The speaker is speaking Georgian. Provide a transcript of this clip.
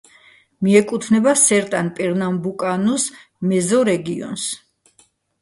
მიეკუთვნება სერტან-პერნამბუკანუს მეზორეგიონს.